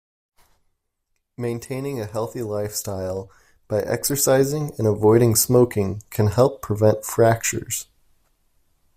Maintaining a healthy lifestyle by exercising and avoiding smoking can help prevent fractures.